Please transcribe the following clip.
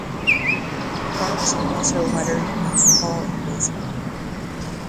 Carlson also lettered in basketball and baseball.